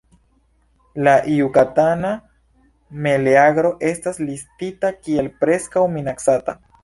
La Jukatana meleagro estas listita kiel "Preskaŭ Minacata".